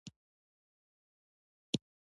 ایا ستاسو قفل به کلک وي؟